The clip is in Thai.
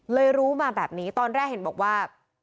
รู้มาแบบนี้ตอนแรกเห็นบอกว่า